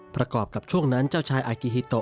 ประกอบกับช่วงนั้นเจ้าชายอากิฮิโต